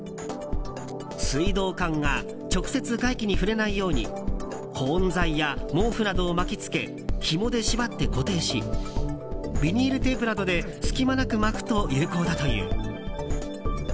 水道管が直接外気に触れないように保温材や毛布などを巻き付けひもで縛って固定しビニールテープなどで隙間なく巻くと有効だという。